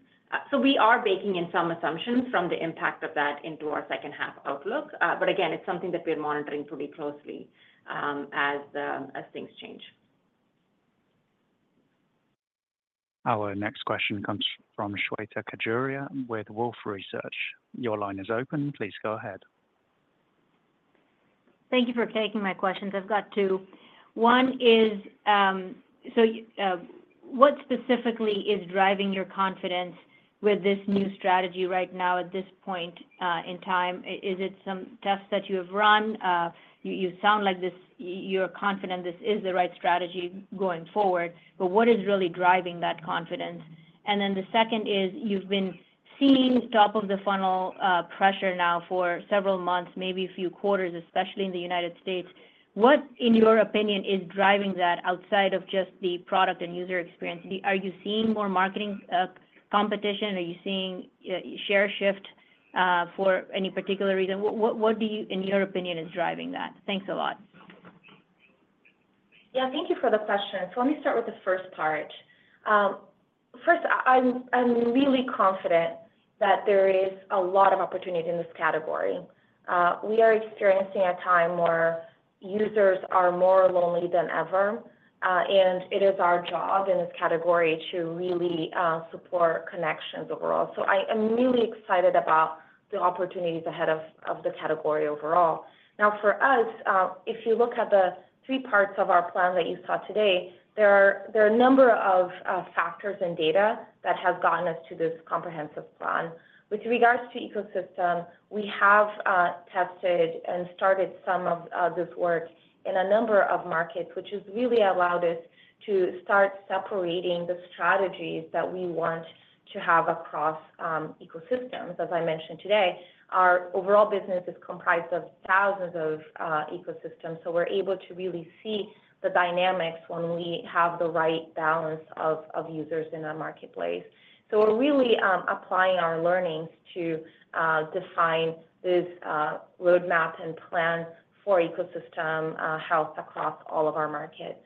So we are baking in some assumptions from the impact of that into our second-half outlook. But again, it's something that we're monitoring pretty closely as things change. Our next question comes from Shweta Khajuria with Wolfe Research. Your line is open. Please go ahead. Thank you for taking my questions. I've got two. One is, so what specifically is driving your confidence with this new strategy right now at this point in time? Is it some tests that you have run? You sound like you're confident this is the right strategy going forward, but what is really driving that confidence? And then the second is you've been seeing top-of-funnel pressure now for several months, maybe a few quarters, especially in the United States. What, in your opinion, is driving that outside of just the product and user experience? Are you seeing more marketing competition? Are you seeing share shift for any particular reason? What, in your opinion, is driving that? Thanks a lot. Yeah. Thank you for the question. So let me start with the first part. First, I'm really confident that there is a lot of opportunity in this category. We are experiencing a time where users are more lonely than ever, and it is our job in this category to really support connections overall. So I am really excited about the opportunities ahead of the category overall. Now, for us, if you look at the three parts of our plan that you saw today, there are a number of factors and data that have gotten us to this comprehensive plan. With regards to ecosystem, we have tested and started some of this work in a number of markets, which has really allowed us to start separating the strategies that we want to have across ecosystems. As I mentioned today, our overall business is comprised of thousands of ecosystems, so we're able to really see the dynamics when we have the right balance of users in our marketplace. So we're really applying our learnings to define this roadmap and plan for ecosystem health across all of our markets.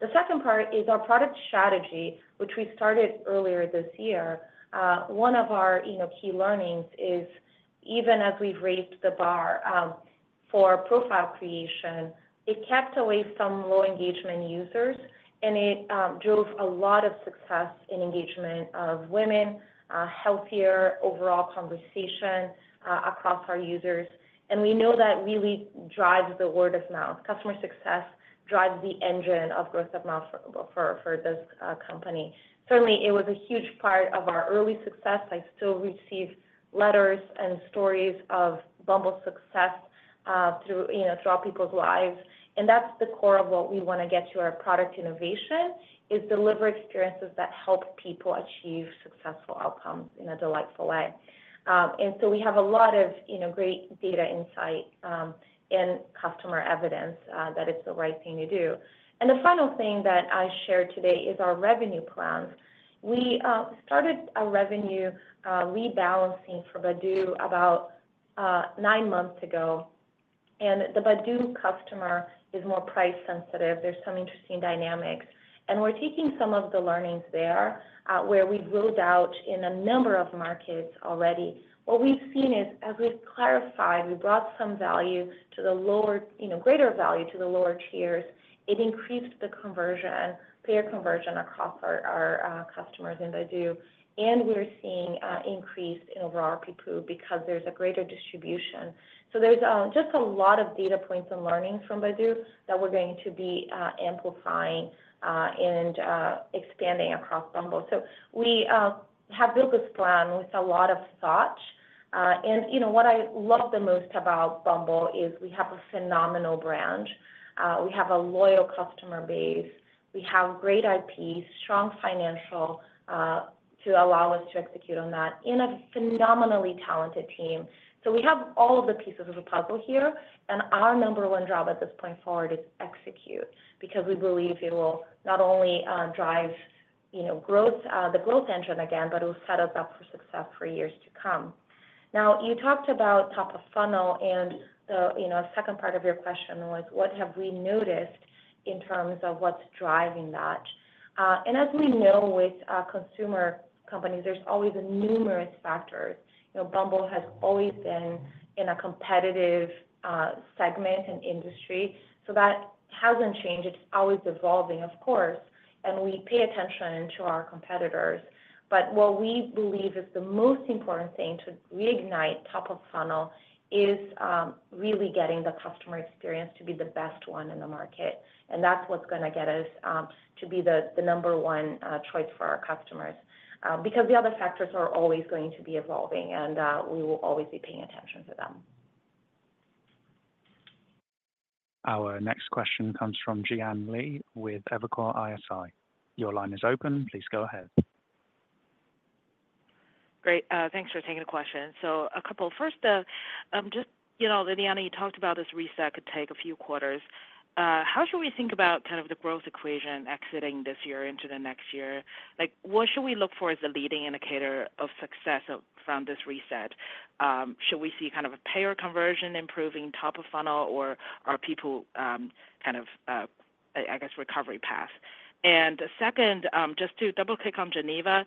The second part is our product strategy, which we started earlier this year. One of our key learnings is, even as we've raised the bar for profile creation, it kept away from low engagement users, and it drove a lot of success in engagement of women, healthier overall conversation across our users. We know that really drives the word of mouth. Customer success drives the engine of word of mouth for this company. Certainly, it was a huge part of our early success. I still receive letters and stories of Bumble's success throughout people's lives. That's the core of what we want to get to our product innovation is deliver experiences that help people achieve successful outcomes in a delightful way. So we have a lot of great data insight and customer evidence that it's the right thing to do. The final thing that I share today is our revenue plans. We started a revenue rebalancing for Badoo about nine months ago, and the Badoo customer is more price sensitive. There's some interesting dynamics. We're taking some of the learnings there where we've rolled out in a number of markets already. What we've seen is, as we've clarified, we brought some value to the lower greater value to the lower tiers. It increased the conversion, payer conversion across our customers in Badoo, and we're seeing an increase in overall revenue because there's a greater distribution. So there's just a lot of data points and learnings from Badoo that we're going to be amplifying and expanding across Bumble. So we have built this plan with a lot of thought. And what I love the most about Bumble is we have a phenomenal brand. We have a loyal customer base. We have great IP, strong financials to allow us to execute on that in a phenomenally talented team. So we have all of the pieces of the puzzle here, and our number one job at this point forward is execute because we believe it will not only drive the growth engine again, but it will set us up for success for years to come. Now, you talked about top-of-funnel, and the second part of your question was, what have we noticed in terms of what's driving that? As we know, with consumer companies, there's always numerous factors. Bumble has always been in a competitive segment and industry, so that hasn't changed. It's always evolving, of course, and we pay attention to our competitors. But what we believe is the most important thing to reignite top-of-funnel is really getting the customer experience to be the best one in the market. That's what's going to get us to be the number one choice for our customers because the other factors are always going to be evolving, and we will always be paying attention to them. Our next question comes from Jian Li with Evercore ISI. Your line is open. Please go ahead. Great. Thanks for taking the question. So a couple first, just Lidiane, you talked about this reset could take a few quarters. How should we think about kind of the growth equation exiting this year into the next year? What should we look for as the leading indicator of success from this reset? Should we see kind of a payer conversion improving top-of-funnel, or are people kind of, I guess, recovery path? And second, just to double-click on Geneva,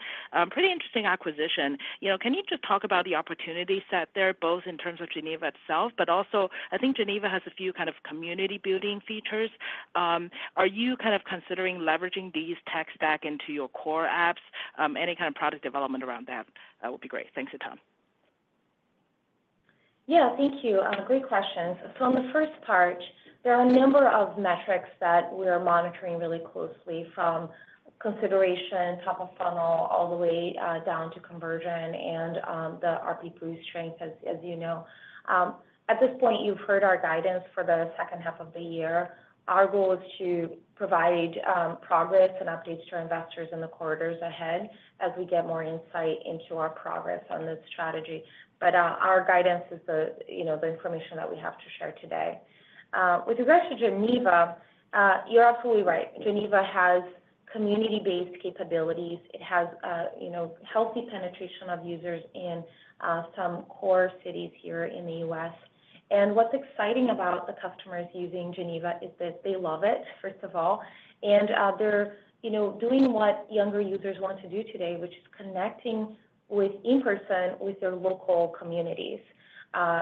pretty interesting acquisition. Can you just talk about the opportunity set there both in terms of Geneva itself, but also I think Geneva has a few kind of community building features. Are you kind of considering leveraging these techs back into your core apps? Any kind of product development around that would be great. Thanks a ton. Yeah. Thank you. Great questions. So on the first part, there are a number of metrics that we are monitoring really closely from consideration top-of-funnel all the way down to conversion and the ARPPU strength, as you know. At this point, you've heard our guidance for the second half of the year. Our goal is to provide progress and updates to our investors in the quarters ahead as we get more insight into our progress on this strategy. But our guidance is the information that we have to share today. With regards to Geneva, you're absolutely right. Geneva has community-based capabilities. It has healthy penetration of users in some core cities here in the U.S. What's exciting about the customers using Geneva is that they love it, first of all, and they're doing what younger users want to do today, which is connecting in person with their local communities,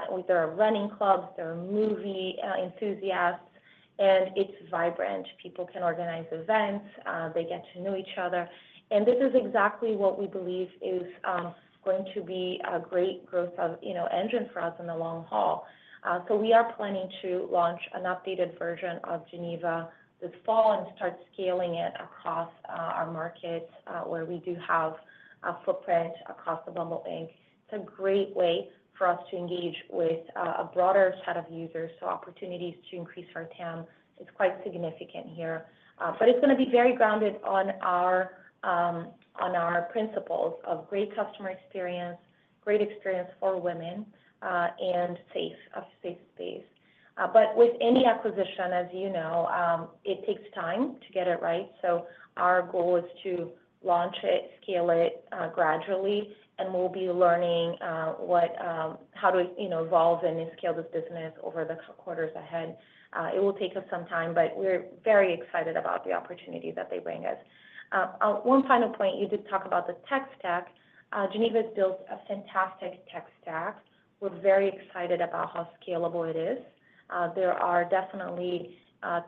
with their running clubs, their movie enthusiasts, and it's vibrant. People can organize events. They get to know each other. And this is exactly what we believe is going to be a great growth engine for us in the long haul. We are planning to launch an updated version of Geneva this fall and start scaling it across our markets where we do have a footprint across the Bumble Inc. It's a great way for us to engage with a broader set of users. Opportunities to increase our TAM is quite significant here. But it's going to be very grounded on our principles of great customer experience, great experience for women, and a safe space. But with any acquisition, as you know, it takes time to get it right. So our goal is to launch it, scale it gradually, and we'll be learning how to evolve and scale this business over the quarters ahead. It will take us some time, but we're very excited about the opportunity that they bring us. One final point. You did talk about the tech stack. Geneva has built a fantastic tech stack. We're very excited about how scalable it is. There are definitely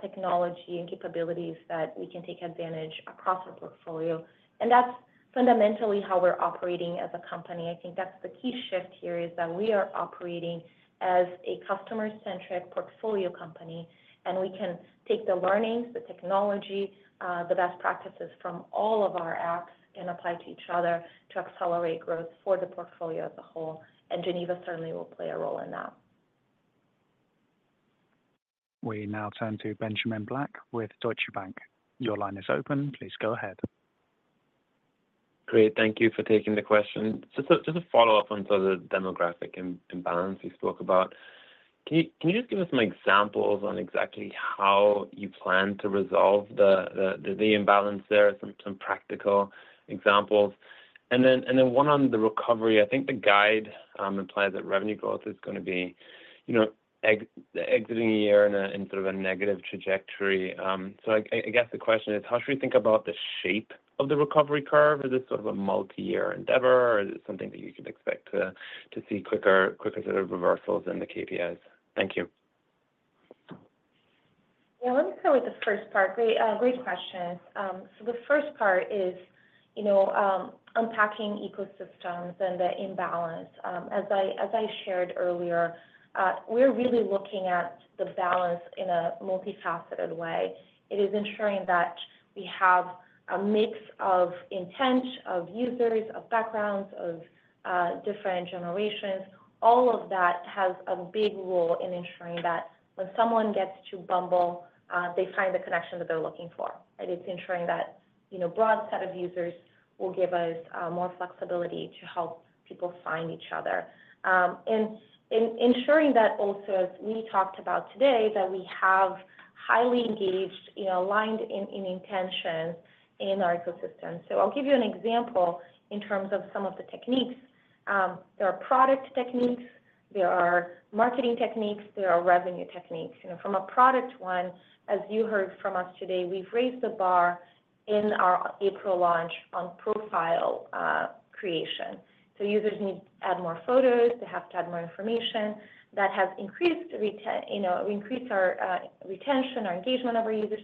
technology and capabilities that we can take advantage across our portfolio. And that's fundamentally how we're operating as a company. I think that's the key shift here is that we are operating as a customer-centric portfolio company, and we can take the learnings, the technology, the best practices from all of our apps and apply to each other to accelerate growth for the portfolio as a whole. Geneva certainly will play a role in that. We now turn to Benjamin Black with Deutsche Bank. Your line is open. Please go ahead. Great. Thank you for taking the question. Just a follow-up on the demographic imbalance we spoke about. Can you just give us some examples on exactly how you plan to resolve the imbalance there? Some practical examples. And then one on the recovery. I think the guide implies that revenue growth is going to be exiting a year in sort of a negative trajectory. So I guess the question is, how should we think about the shape of the recovery curve? Is this sort of a multi-year endeavor, or is it something that you can expect to see quicker sort of reversals in the KPIs? Thank you. Yeah. Let me start with the first part. Great question. So the first part is unpacking ecosystems and the imbalance. As I shared earlier, we're really looking at the balance in a multifaceted way. It is ensuring that we have a mix of intent, of users, of backgrounds, of different generations. All of that has a big role in ensuring that when someone gets to Bumble, they find the connection that they're looking for. And it's ensuring that a broad set of users will give us more flexibility to help people find each other. And ensuring that also, as we talked about today, that we have highly engaged, aligned in intentions in our ecosystem. So I'll give you an example in terms of some of the techniques. There are product techniques. There are marketing techniques. There are revenue techniques. From a product one, as you heard from us today, we've raised the bar in our April launch on profile creation. So users need to add more photos. They have to add more information. That has increased our retention, our engagement of our users,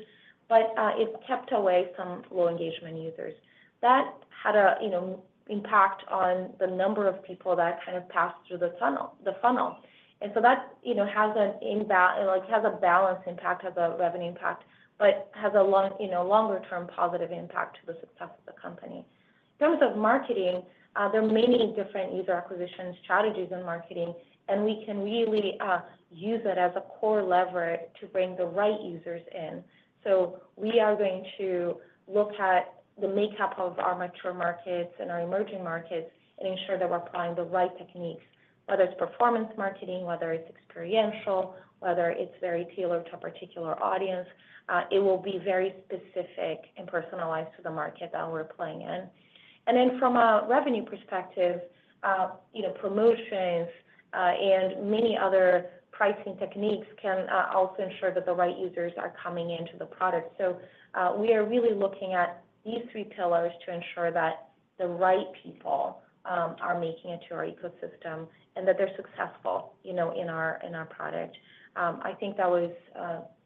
but it's kept away some low engagement users. That had an impact on the number of people that kind of passed through the funnel. And so that has a balanced impact, has a revenue impact, but has a longer-term positive impact to the success of the company. In terms of marketing, there are many different user acquisition strategies in marketing, and we can really use that as a core lever to bring the right users in. So we are going to look at the makeup of our mature markets and our emerging markets and ensure that we're applying the right techniques, whether it's performance marketing, whether it's experiential, whether it's very tailored to a particular audience. It will be very specific and personalized to the market that we're playing in. And then from a revenue perspective, promotions and many other pricing techniques can also ensure that the right users are coming into the product. So we are really looking at these three pillars to ensure that the right people are making it to our ecosystem and that they're successful in our product. I think that was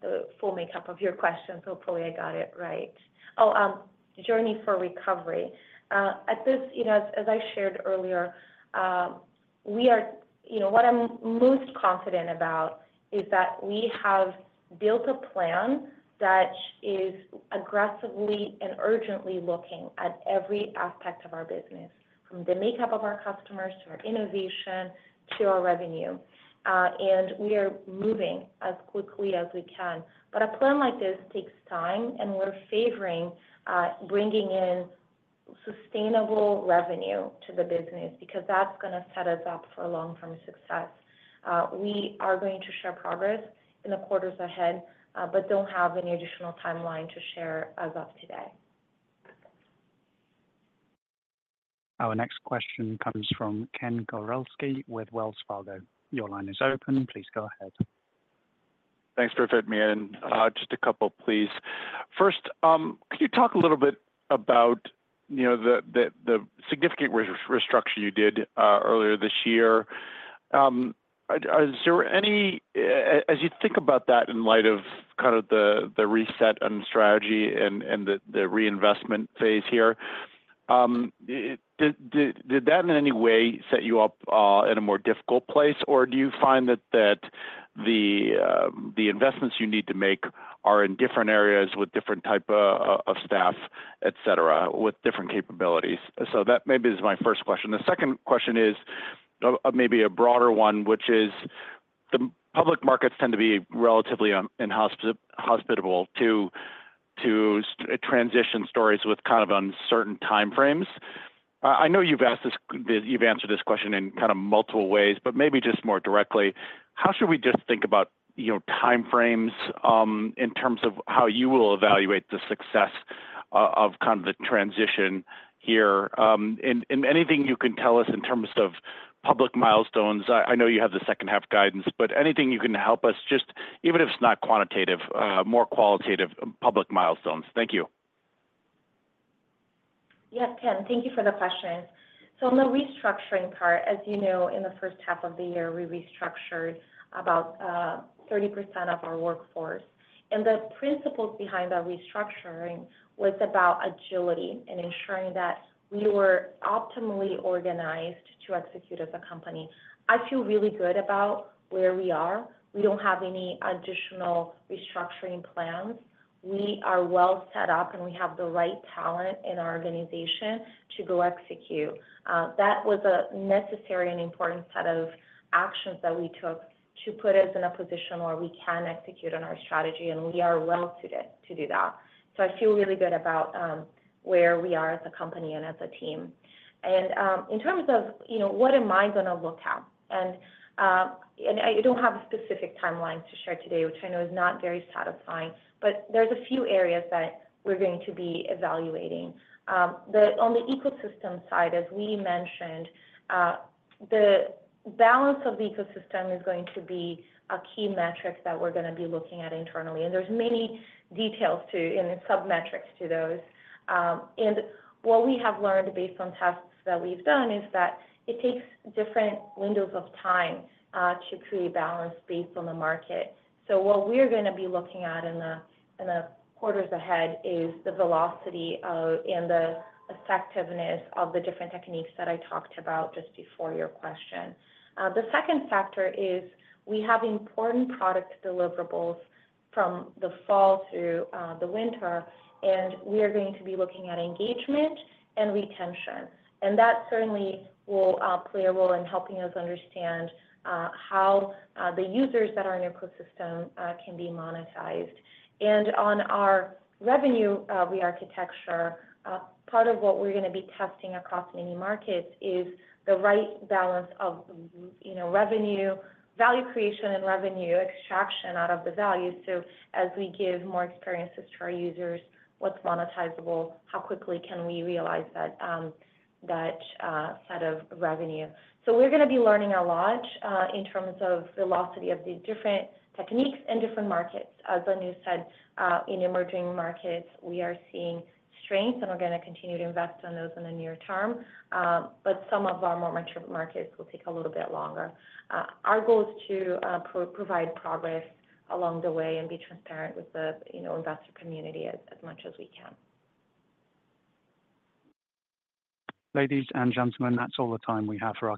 the full makeup of your question. So hopefully, I got it right. Oh, journey for recovery. As I shared earlier, what I'm most confident about is that we have built a plan that is aggressively and urgently looking at every aspect of our business, from the makeup of our customers to our innovation to our revenue. We are moving as quickly as we can. A plan like this takes time, and we're favoring bringing in sustainable revenue to the business because that's going to set us up for long-term success. We are going to share progress in the quarters ahead, but don't have any additional timeline to share as of today. Our next question comes from Ken Gawrelski with Wells Fargo. Your line is open. Please go ahead. Thanks for fitting me in. Just a couple, please. First, could you talk a little bit about the significant restructuring you did earlier this year? As you think about that in light of kind of the reset and strategy and the reinvestment phase here, did that in any way set you up in a more difficult place, or do you find that the investments you need to make are in different areas with different types of staff, etc., with different capabilities? So that maybe is my first question. The second question is maybe a broader one, which is the public markets tend to be relatively inhospitable to transition stories with kind of uncertain time frames. I know you've answered this question in kind of multiple ways, but maybe just more directly, how should we just think about time frames in terms of how you will evaluate the success of kind of the transition here? And anything you can tell us in terms of public milestones? I know you have the second half guidance, but anything you can help us, just even if it's not quantitative, more qualitative public milestones. Thank you. Yeah, Ken, thank you for the question. So on the restructuring part, as you know, in the first half of the year, we restructured about 30% of our workforce. And the principles behind that restructuring was about agility and ensuring that we were optimally organized to execute as a company. I feel really good about where we are. We don't have any additional restructuring plans. We are well set up, and we have the right talent in our organization to go execute. That was a necessary and important set of actions that we took to put us in a position where we can execute on our strategy, and we are well suited to do that. So I feel really good about where we are as a company and as a team. And in terms of what am I going to look at? I don't have a specific timeline to share today, which I know is not very satisfying, but there's a few areas that we're going to be evaluating. On the ecosystem side, as we mentioned, the balance of the ecosystem is going to be a key metric that we're going to be looking at internally. There's many details and sub-metrics to those. What we have learned based on tests that we've done is that it takes different windows of time to create balance based on the market. What we're going to be looking at in the quarters ahead is the velocity and the effectiveness of the different techniques that I talked about just before your question. The second factor is we have important product deliverables from the fall through the winter, and we are going to be looking at engagement and retention. That certainly will play a role in helping us understand how the users that are in the ecosystem can be monetized. On our revenue re-architecture, part of what we're going to be testing across many markets is the right balance of revenue, value creation, and revenue extraction out of the value. As we give more experiences to our users, what's monetizable, how quickly can we realize that set of revenue? We're going to be learning a lot in terms of velocity of the different techniques and different markets. As Anu said, in emerging markets, we are seeing strength, and we're going to continue to invest in those in the near term. Some of our more mature markets will take a little bit longer. Our goal is to provide progress along the way and be transparent with the investor community as much as we can. Ladies and gentlemen, that's all the time we have for.